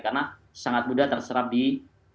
karena sangat mudah terserap di sangat mudah terserap di anak